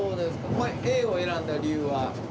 これ「Ａ」を選んだ理由は？